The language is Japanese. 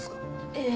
ええ。